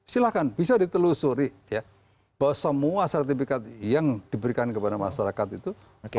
silahkan bisa ditelusuri ya bahwa semua sertifikat yang diberikan kepada masyarakat itu